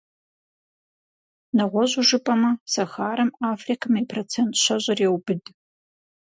Нэгъуэщӏу жыпӏэмэ, Сахарэм Африкэм и процент щэщӏыр еубыд.